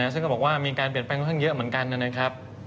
ซึ่งก็บอกว่ามีการเปลี่ยนแปลงค่อนข้างเยอะเหมือนกันนะครับ